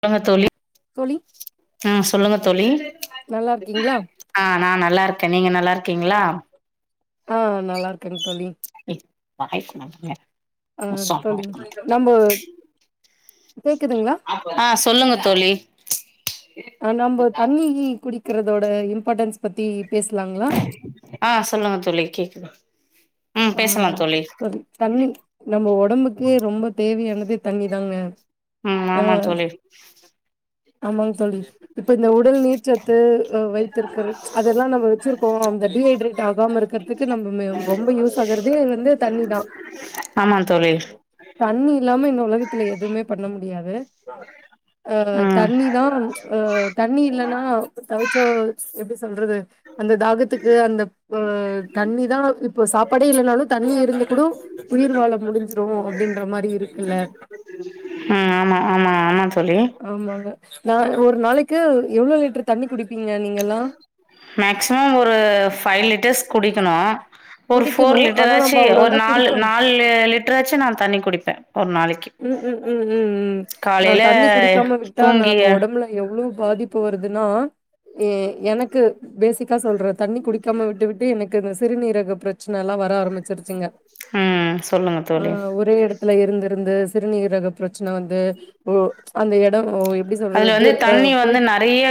சொல்லுங்க தோழி தோழி ஆ சொல்லுங்க தோழி நல்லா இருக்கீங்களா ஆ நா நல்லா இருக்கே நீங்க நல்லா இருக்கீங்களா? ஆ நல்லா இருக்கேங் தோழி ஆ தோழி நம்ப கேக்குதுங்களா ஆ சொல்லுங்க தோழி [inaudible] ஆ நம்ப தண்ணி குடி க்கிறதோட இம்பாட்டன்ஸ் பத்தி பேசலாங்களா ஆ சொல்லுங்க தோழி கேக்குது ம் ஆ பேசலா தோழி செரி தண்ணி நம்ம ஒடம்புக்கே ரொம்ப தேவையான து தண்ணிதாங்க ம் ஆமா தோழி ஆமாங் தோழி இப்ப இந்த உடல் நீர்ச்சத்து ஆ வைத்திருக்கறது அதெல்லா நம்ம வச்சிருக்கோ அந்த டீஹைட்ரேட் ஆகாம இருக்கிறதுக்கு நம்ம ம ரொம்ப யூஸ் [unintelligible] வந்து தண்ணிதா ஆமா தோழி இல்லாம இந்த உலகத்துல எதுமே பண்ண முடியாது ஆ ம் தண்ணிதா ஆ தண்ணி இல்லன்னா தவச்ச எப்பிடி சொல்றது அந்த தாகத்துக்கு அந்த தண்ணிதா இப்போ சாப் ப்பாடே இல்லனாலு தண்ணிய இருந்து கூடு உயிர் வாழ முடிஞ்சிரு அப்பிடின்ற மாரி இருக்குல்ல ம் ஆமா ஆமா சொல்லி ஆமாங்க நா ஒரு நாளைக்கு எவ்வளவு லிட்டர் தண்ணி குடிப்பீங்க நீங்க எல்லா மேக்சிமம் ஒரு ஃபை லிட்டர்ஸ் குடிக்கணு ஒரு ஃபோர் குடிக்கணு ஆனா நம்ம லிட்டராச்சி ஒரு அவ்ளோல்லா நாலு குடிக்க நாலு லிட்டராச்சு நா தண்ணி குடிப்பே ஒரு நாலு ம் ம் ம் ம் ம் நா தண்ணி குடிக்காம விட்டா தூங்கி நம்ம ஒடம்புல எவ்ளு பாதிப்பு வருதுன்னா ஏ எனக்கு பேசிக்கா சொல்ற தண்ணி குடிக்காம விட்டுவிட்டு எனக் க்கன இந்த சிறுநீரக பிரச்சனல்லா வர ஆரம்மி ச்சரிச்சிங்க ம் சொல்லுங்க ஆ தோழி ஒரே எடத்துல இருந்து இருந்து சிறுநீரகப் பிர ச்சனா வந்து ஓ அந்த எடோ ஓப் அதுல வந்து தண்ணி வந்து நெறைய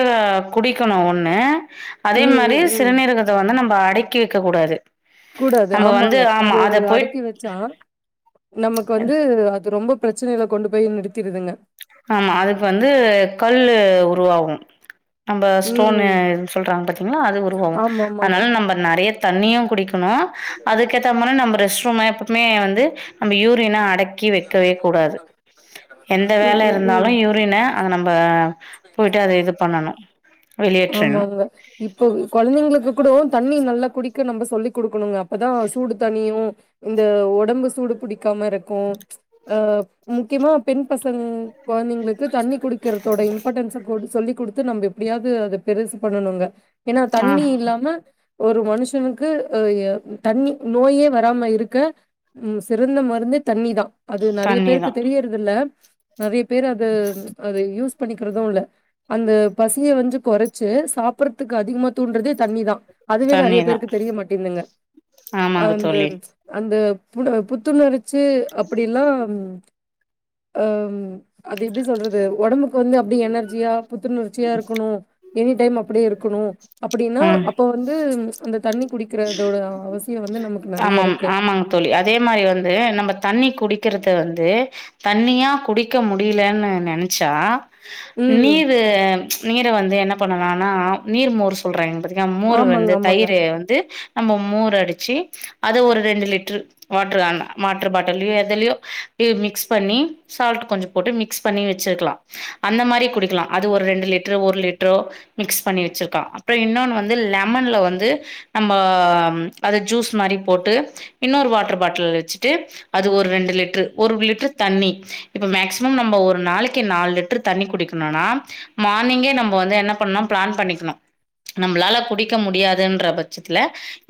குடிக்கணு ஒண்ணு அதே ம் மாரி ம் ம் சிறுநீரகத்த வந்து நம்ம அடக்கி வைக்க கூடாது கூடாது நம்ப வந்து ஆமாங்க ஆமா அது அத போயிட் அடக்கி வச்சா நமக்கு வந்து அது ரொம்ப பிரச்சனையில கொண்டு போய் நிறுத்திருதுங்க ஆமா அதுக்கு வந்து கல்லு உருவாவு நம்ம ஸ்டோன்னு ம் எ சொல்றாங்க பாத்தீங்களா அது உருவாவு ஆமாமாங்க அனால நம்ம நெறைய தண்ணியு குடிக்கணு அதுக்கத்த மாரி நம்ம ரெஸ் ப்பவுமே ப்ப்மே வந்து நம்ம யூரியனா அடக் ம் ம் ம் ருந்தாலு யூரின அத நம்ப போயிட்டு அத இது பண்ணணும். வெளியேற்றணும். ஆமாங்க இப்போ கொழந்தைங்களுக்கு கூடோ தண்ணி நல்லா குடிக்க நம்ப சொல்லி குடுக்கணுங்க ப்பதா சூடு தனியு இந்த ஒடம்பு சூடு புடிக்காம இருக்கு அ முக்கியமா பெண் பசங் கொழந்தைங்களுக் க்கு தண்ணி குடிக்கிறத தொடைன் ஓடு சொல்லி் குடுத்து நம்ம எப்பிடியாது அத பெருசு பண்ணனுங்க ஏன்னா ஆ தண்ணி இல்லாம ஒரு மனுஷனுக்கு தண்ணி நோயே வராம இருக்க சிறந்த மருந்தே தண்ணிதா அது நெறைய தண்ணி பேருக்கு தான். தெரியிறது இல்ல நெறைய பேரு அது அது யூஸ் பண்ணிக்கிறது இல்ல அந்த பசிய வந்து கொறச்சு சாப்புறதுக்கு அதிகமா தூன்றதே தண்ணிதா அதுவே நெறைய தண்ணி தான். பேருக்கு தெரிய மாட்டேங்குதுங்க ஆமாங்க அந்த தோழி அந்த புட புத்துணர்ச் ச்சு அப்டிலாம் ஓம் அது எப்டி சொல்றது ஒடம்புக் க்கு வந்து அப்டி எனர்ஜியா புத்துணர்ச்சியா இருக்கணு எனி டைம் அப்டியே இருக்குணு அப்டின்னா ம் அப்போ வந்து அந்த தண்ணி குடிக்கறதோட அவசியோ ஆமாம் ஆமாங்க தோழி அதே மாதிரி வந்து நம்ம தண்ணி குடிக் க்கிறது வந்து தண்ணியா குடிக்க முடியலன் நெனச்சா ம் நீரு நீர வந்து என்னப் பண்ணலான்னா நீர் மோர் சொல்றாங்க பாத்தீங் மோர் ஆமாங்க வந்து ஆமாங்க தயிரு வந்து நம்ம மோர் அடுச் ச்சு அது ஒரு ரெண்டு லிட்ரு வாட்ரு வாட்ரு பாட்டல்லயோ எதுலயோ மிக்ஸ் பண்ணி சால்ட் கொஞ்சோ போட்டு மிக்ஸ் பண்ணி வெச்சுக்கலா அந்த மாரி குடிக்கலா அது ஒரு ரெண்டு லிட்ரு ஒரு லிட்ரோ மிக்ஸ் பண்ணி வெச்சுருக்கா அப்புறோ இன்னொன்னு வந்து லெமன்ல வந்து நம்ம அது ஜூஸ் ட்டு மாரி போட்டு இன்னொரு வாட்ரு பாட்டுல் வெச்சுட்டு அது ஒரு ரெண்டு லிட்ரு ஒரு லிட்ரு தண்ணி இப்போ மேக்ஸிமம் நம்ப ஒரு நாளைக்கு நாலு லிட்ரு தண்ணி குடிக்கணுன்னா மார்னிங்கே நம்ம வந்து என்ன பண்னு பிளேன் பண்ணிக்கணு நம்மளால குடிக்க முடியாதுன்ற பட்சத்துல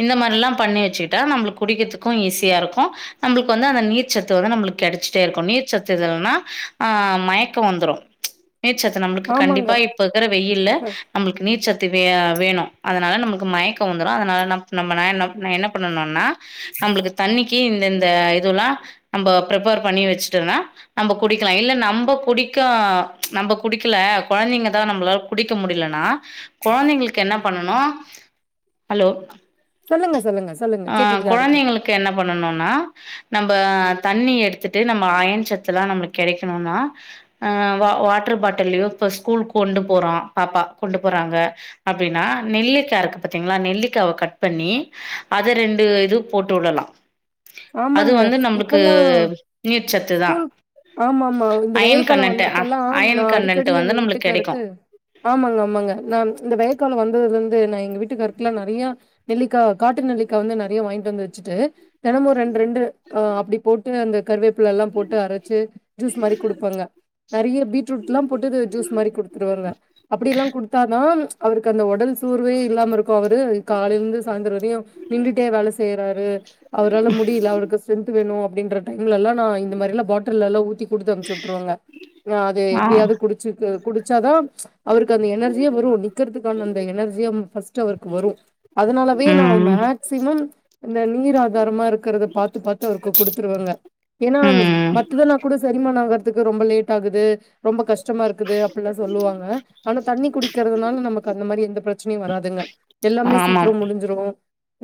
இந்த மாரில்லாம் பண்ணி வெ ச்சுட்டா நம்மளுக்கு குடிக்குறதுக்கு ஈஸியா இருக்கு நம்மளுக்கு வந்து அந்த நீர்ச்சத்து வந்து நம்மளுக்கு கெடச்சுட்டே இருக்கு நீர்ச்சத்து இல்லனா அ மயக்கோ வந்துரு நீர்ச்சத்து நம்மளுக்கு ஆமாங்க கண்டிப்பா இப்போ இருக்குற வெயில்ல அ நம்மளுக்கு நீர்ச்சத்து வே வேணு அதனால நமக்கு மயக்கோ வந்துரு அதனால நம் நம்ம என்ன பண்ணனுன்னா நம்மளுக்கு தண்ணிக்கு இந்த இந்த இதுல்லா நம்ம பிரிப்பர் பண்ணி வெச்சுட்டோம்னா நம்ம குடிக்கலா இல்ல நம்ம குடிக்க நம்ப குடிக்கல கொழந்தைங்கதா நம்மளால குடிக்க முடிலன்னா கொழந்தைங்களுக்கு என்ன பண்ணனு ஹலோ சொல்லுங்க சொல்லுங்க சொல்லுங்க ஆ கேட்டுட்டுதா இருக்கே கொழந்தைங்களுக்கு என்ன பண்ணனுன்னா நம்ப தண்ணி எடுத்துட்டு நம்ம அயன்ச்சத்துலா நம்மளுக்கு கெடைக்கணுன்னா அ வாட்ரு பாட்டுலயோ இப்ப ஸ்கூல் கொண்டு போறா பாப்பா கொண்டு போறாங்க அப்டின்னா நெல்லிக்கா இருக்கு பாத்தீங்களா நெல்லிக்காவ கட் பண்ணி அத ரெண்டு இது போட்டு உடலா ஆமாங்க இப்பல்லா நீர்ச்சத்து தான். ஸ்கூல் ஆமா ஆமா இந்த அயன் வெயில் காலோ கண்டன்ட் அ வந்தப்பலா நா அயன் அடிக்கடி கண்டன்ட் எங்க வந்து நம்மளுக்கு வீட்டுக்காருக்கு கெடைக்கும். ஆமாங்க ஆமாங்க நா இந்த வெயில் காலோ வந்ததுலிருந் து நா எங்க வீட்டுக்காருக்கு எல்லா நெறையா நெல்லிக்காவ காட்டு நெல்லிக்கா நெறையா வாங்கிட்டு வந்து வெச்சுட்டு தெனமு ரெண்ரெண்டு அ அப்டி போட்டு அந்த கருவேப்புள எல்லாம் போட்டு அரச்சு ஜூஸ் மாரி குடுப்பங்க நெறைய பீட்ரூட் எல்லாம் போட்டுது ஜூஸ் மாரி குடுத்துட்டு வருவ அப்டியெல்லா குடுத்தாதா அவருக்கு அந்த ஒடல் சோர்வே இல்லாம இருக்கு அவரு காலைல இருந்து சாயிந்துரோ வரையு நின்டுட்டே வேல செய்யறாரு அவரால முடியல அவருக்கு ஸ்ட்ரென்த் வேணு அப்படி என்ற டைம்லா நா இந்த மாரி பாட்டில்ல எல்லா ஊத்தி கொடுத்து அனுப்பிச்சி விட்டுருவாங்க அ அது ஆ எப்படியாவது குடிச்சுக்க குடிச் ஜாதம் அவருக்கு அந்த எனர்ஜியே வரும் நிக்கறுத்துக்கான அந்த எனர்ஜியா பர்ஸ்ட் அவருக்கு வரும் அதனாலே தா நா ம் மேக்ஸிமம் அந்த நீராவி தர்மா இருக் இருக்கிறது பார்த்து பார்த்து அவருக்கு கொடுத்துருவாங்க ஏன்னா ம் மத்ததுனா கூட சரி திருமண ஆகுறதுக்கு ரொம்ப லேட் ஆகுது ரொம்ப கஷ்டமா இருக்குது அப்படிலா சொல்லுவாங்க ஆனா தண்ணி குடிக்கிறதுனால நமக்கு அந்த மாரி எந்த பிரச்சனையும் வராதுங்க எல்லாமே ஆமாம். சீக்கிரம் முடிஞ்சிடு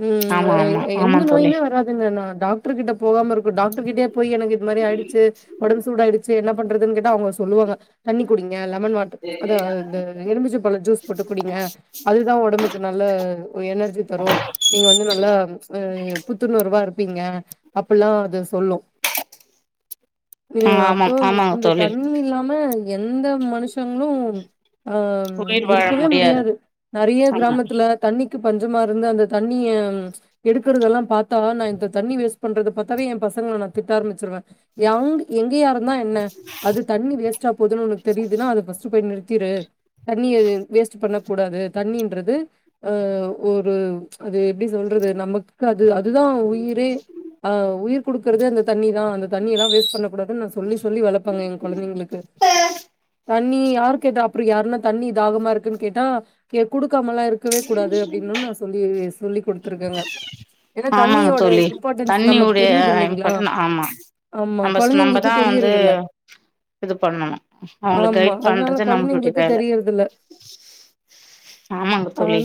ம் ஆமா ஆமா ஆமா எந்த தோழி. நோயுமே வராதுங்க நா டாக் டாக்டர் கிட்ட போகாம இருக்கு டாக்டர் கிட்டயே போய் எனக்கு இது மாரி ஆயிடுச்சு உடம்பு சூட ஆயிச்சு சேரி என்ன பண்றதுன்னு கேட்டா அவங்க சொல்லுவாங்க தண்ணி குடிங்க லெமன் வாட்டர் அத இந்த லெமன் எலுமிச்சம்பழம் ஜூஸ் போட்டு குடிங்க அதுதான் உடம்புக்கு நல்லா எனர்ஜி தரும் நீங்க வந்து நல்லா ஆ புத்துணர்வா இருப்பீங்க அப்படியெல்லா அது சொல்லு அ அப்போ ஆமாம் இந்த ஆமாங்க இந்த தோழி. தண்ணி இல்லாம எந்த மனுஷங்களு ஆ உயிர் வாழ இருக்கவே முடியாது நெறைய ஆமா. கிராமத்துல தண்ணி க்கு பஞ்சமா இருந்து அந்த தண்ணிய எடுக்கறதெல்லா பாத்தா நா இந்த தண்ணி வேஸ்ட் பண்றது பார்த்தாவே எ பசங்களை நா திட்ட ஆம்பிச்சிருவேன்ங்க எவங் எங்கயா நா என்ன அது தண்ணி வேஸ்ட் போகுதுக்கு தெரியதுனா அது ஃபர்ஸ்ட் போய் நிறு திரு தண்ணி வேஸ்ட் பண்ணக்கூடாது தண்ணின்றதே ஆ ஒரு அது எப்படி சொல்றது நமக்குத அதுதா உயிரே ஆ உயிர் கொடுக்குறது அந்த தண்ணி தா அந்த தண்ணி எல்லா வேஸ்ட் பண்ணக்கூடாது சொல்லி சொல்லி வளர்பங்க கொழந்தைங்களுக்கு தண்ணி யாரு கேட்ட அறம் யாருன தண்ணி தாகம இருக்குன்னு கேட்டா கொடு கொடுக்காமலா இருக்கவே கூடாது அப்படின்னு நா சொல்லே சொல்லி கொடுத்துருக்கங்க ஆமாங்க தோழி தண்ணியுடைய இல்லைங்களா? இம்பார்ட்டன் ஆமா ஆமா. நம்ம கொழந்தைங்களுக்கு நம்மதான் வந்து தெரியறதில்ல. இது பண்ணணும் அவங்க ஆமா. கைட் அதனால பண்றது நம்மளுடைய கொழந்தைங்களுக்கு வேலை தெரியறதில்ல. ஆமாங்க தோழி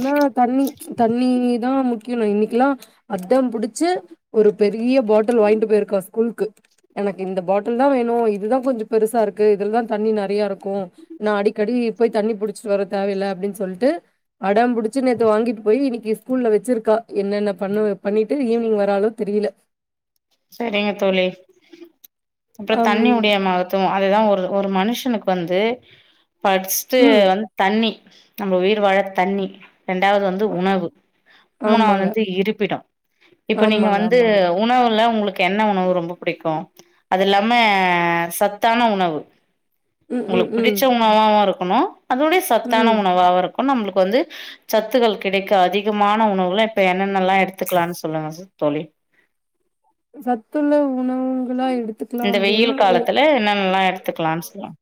முக்கியம் இன்னைக்குெல்லாம் அடம் புடிச்சு ஒரு பெ பெரிய பாட்டில் வாங்கிட்டு போயிருக்கா ஸ்கூலுக்கு எனக்கு இந்த பாட்டில் தான் வேணும் இதுதான் கொஞ்சம் பெருசா இருக்கு இதுல தான் தண்ணி நிறையா இருக்கும் நான் அடிக்கடி போய் தண்ணி புிடிச்சிட்டு வர தேவையில்லை அப்படின்னு சொல்லிட்டு அடம் பிடிச்சு நேற்று வாங்கிட்டு போய் இன்னைக்கு ஸ்கூல்ல வச்சிருக்கா என்னென்ன பண்றா பண்ணிட்டு ஈவினிங் வரானு தெரியல செரிங்க தோழி அப்புறம் அம் தண்ணி முடியமாகத்தும் அதுதான் ஒரு ஒரு மனுஷனுக்கு வந்து பர்ஸ்ட்டு ம் வந்து தண்ணி நம்ம உயிர் வாழ தண்ணி இரண்டாவது வந்து உணவு மூணாவது ஆமாங்க வந்து இருப்பிடம் இப்ப நீங்க ஆமாங்க வந்து ஆமாங்க உணவு உங்களுக்கு என்ன உணவு ரொம்ப பிடிக்கும் அது இல்லாம சத்தான உணவு ம் ம் உங்களுக்கு ம் பிடிச்ச உணவா இருக்கும் ஹலோ அதோடைய சத்தான ம் உணவாக இருக்கும் நம்மளுக்கு வந்து சத்துகள் கிடைக்கும் அதிகமான உணவுலாம் இப்ப என்னென்னல்லாம் எடுத்துக்கலாம்னு சொல்லுங்க தோழி சத்துள்ள உணவுங்களா எடுத்துக்கலாம் இந்த அப்படின்னா வெயில் காலத்துல என்னென்னல்லா எடுத்துக்கலான்னு சொல்லுங்க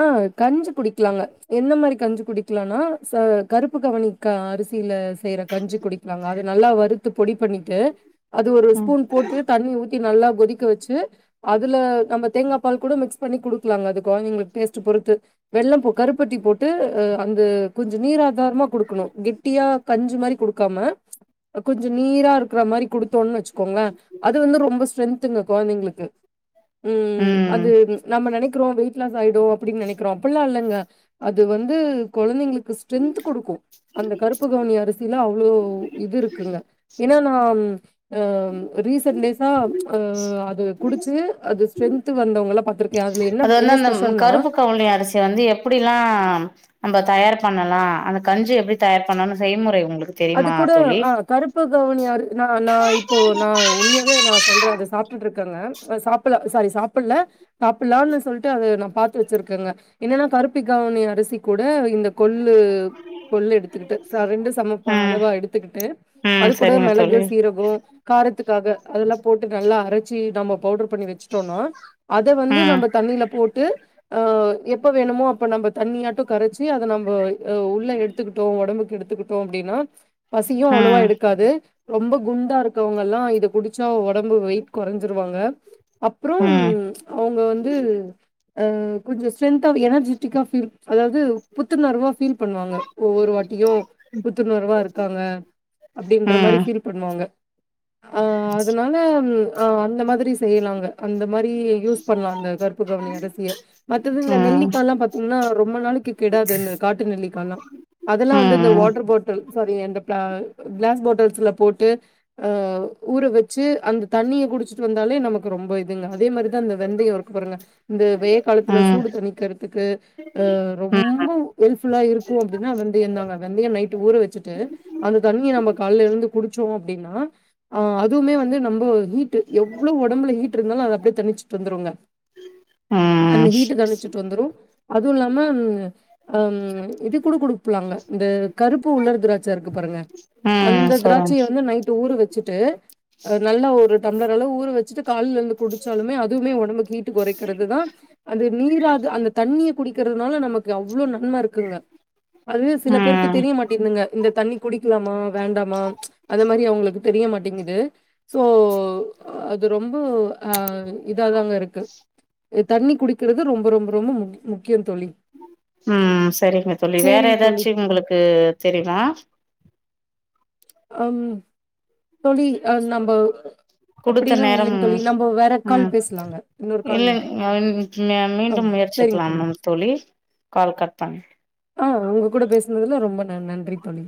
ஆஹ் கஞ்சி குடி குடிக்கலாங்க என்ன மாதிரி கஞ்சி குடிக்கலானா ச கருப்பு கவனி அரிசியில செய்யற கஞ்சி குடிக்கலாங்க அதை நல்லா வறுத்து பொடி பண்ணிட்டு அது ஒரு ம் ஸ்பூன் போட்டு தண்ணி ஊ நல்லா கொதிக்க வச்சு அதுல நம்ம தேங்காய் பால் கூட மிக்ஸ் பண்ணி குடுக்கலாங்க அது குழந்தைங்களுக் டேஸ்ட்ட் பொறுத்து வெல்லம் கருப்பட்டி போட்டு அந்த கொஞ்சம் நீராதாரமா குடுக்கணும் கெட்டியா கஞ்சு மாதிரி குடுக்காம கொஞ்சம் நீரா இருக்கற மாதிரி குடுத்தோம்னு வச்சுக்கோங்களேன் அது வந்து ரொம்ப ஸ்ட்ரென்துங்க குழந்தைங்களுக்கு உம் ம் அது நம்ம நினைக்க வெயிட் லாஸ் ஆயிடும் அப்படின்னு நினைக்கிறோம் அதெல்லாம் இல்லங்க அது வந்து குழந்தைங்களுக்கு ஸ்ட்ரென்த் கொடுக்கும் அந்த கருப்பு கவனி அரிசியில அவ்ளோ இது இருக்குங்க ஏன்னா நான் ரீசன் டேஸ் ஆ அது குடிச்சு அது ஸ்ட்ரென்த் வந்தவங்கள பாத்து அது வந்து அந்த கருப்பு கவுனி அரிசி வந்து எப்படிலாம் நம்ம தயார் பண்ணலாம் அந்த கஞ்சி எப்படி தயார் பண்ணும்னு செய்முறை உங்களுக்கு அது தெரியுமா கூட தோழி ஆஹ் கருப்பு கவனியரு நா நான் இப்போ நான் உண்மையாவே நான் சொல்றேன் அதை சாப்பிட்டுட்டு இருக்காங்க ஆ சாப்பில்ல சாரி சாப்பிட்ல சாப்பிட்லான்னு சொல்ட்டு அது நா பாத்து வச்சிருக்கேங்க என்னன்னா கருப்பி கவுனி அரிசி கூட இந்த கொ ள்ளு கொள்ளு எடுத்துக்கிட்டு ஃப்ர ரெண்டு சம பா ம் அளவா எடுத்துக்கிட்டு ம் அது கூட சரிங்க மெளகு தோழி சீரகோ கார த்துக்காக அதெல்லா போட்டு நல்லா அரைச்சி நம்ம பவுடர் பண்ணி வச்சுட்டோன்னா அத வந்து ம் நம்ம தண்ணில போட்டு ஆ எப்ப வேணுமோ அப்ப நம்ப தண்ணியாட்டோ கரைச்சு அத நம்போ ஆ உள்ள எடுத்துக்கிட்டோ ஒடம்புக்கு எடுத்துக்கிட்டோ அப்பி அப்டினா பசியு அவ்ளவா ம் எடுக்காது ரொம்ப குண்டா இருக்கவங்கல்லா இத குடிச்சா ஒ டம்பு வெயிட் கொறைஞ்சிருவாங்க அப்புறோ ம் அவங்க வந்து ஆ கொஞ்ச ஸ்ட்ரென்த்தா அது எனர்ஜெட்டிக்கா ஃபீல் அதாவது புத்துணர்வா ஃபீல் பண்ணுவாங்க ஒவ்வொரு வாட்டியு புத்துணர்வா இருக்காங்க அப்டின்ற மாரி ம் ஃபீல் பண்ணுவாங்க ஆ அதனால ம் ஆ அந்த மாதிரி செய்யலாங்க அந்த மாரி யூஸ் பண்லா அந்த கருப்பு கவுனி அரிசிய மத்தது இந்த ம் நெல்லிக்கா எல்லா பாத்தீங்கன்னா ரொம்ப நாளைக்கி கெடாது இந்த காட்டு நெல்லிக்கா எல்லா ம் அதெல்லா வந்து இந்த வாட் ம் பாட்டல் சாரி அந்த பிளா கிளாஸ் பாட்டல்ஸ்ல போட்டு ஆ ஊற வச்சு அந்த தண்ணிய குடிச் சு வந்தாலே நமக்கு ரொம்ப இதுங்க அதே மாரிதா இந்த வெந்தயோ இருக்கு பாருங்க இந்த வெய்ய காலத்துல சூடு தணிக்கிறதுக்கு ஆ ம் ம் ரொம்ப ஹெல்ப் ஃபுல்லா இருக்கு அப்டின்னா வெந்தயோந்தாங்க வெந்தயோ நைட் வச்சுட்டு அந்த தண்ணிய நம்ம காலைல எழுந்து குடிச்சோ க்கு அப்டின்னா ஆ அதுமே வந்து நம்போ ஹீ ட்டு எவ்ளோ ஒடம்புல ஹீட் இருந்தாலு அத அப்டியே தணிச்சுட்டு வந்துருங்க அந்த ம் ஹீட்ட தணிச்சுட்டு வந்துரு அது இல்லாம ம் அம் இது கூட குடு ப்பலாங்க இந்த ப்ப உலர் திராட்ச இருக்கு பாருங்க ம் அந்த சொல்லுங்க திராட்சய வந்து நைட்டு ஊற வச்சுட்டு ஆ நல்லா ஒரு டம்ளர் அளவு ஊற வச்சுட்டு காலைல எழுந்து குடிச்சாலுமே அதுவுமே ஒடம்பு ஹீட்டு கொறைக்கிறதுதா அந்த நீராது அந்த தண்ணிய குடிக்கிறதுனால நமக்கு அவ்ளோ நன்ம இருக்குங்க அதுவே சில பேர் க்கு ம் தெரிய மாட்டேதுங்க இந்த தண்ணி குடிக்கலாமா வேண்டாமா அது மாரி அவங்களுக்கு தெரிய மாட் டேங்குது சோ அது ரொம்ப ஆ இதாதாங்க இருக்கு அ தண்ணி குடிக்கிறது ரொம்ப ரொம்ப ரொம்ப முக் முக்கியோந் தோழி ம் சரிங்க தோழி வேற சரிங்க தோழி. ஏதாச்சு உங்களுக் கு தெரியுமா அம் தோழி அ நம்ப குடுத்த அப்படிலாம் நேரம் இல்லைங்க தோழி. நம்ப வேற ம் கால் பேசலாங்க. இன்னொரு கால். இல்ல மீண்டும் ஆமா. சரிங்க முயற்சிக்கலாம்ங்க தோழி கால் கட் பண்ணு ஆ உங்க கூட பேசுனதுல ரொம்ப ந நன்றி தோழி